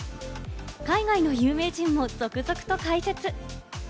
海外の有名人も続々と開設。